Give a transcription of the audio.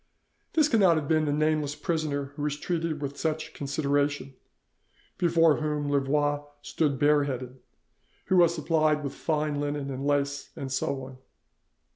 This cannot have been the nameless prisoner who was treated with such consideration, before whom Louvois stood bare headed, who was supplied with fine linen and lace, and so on.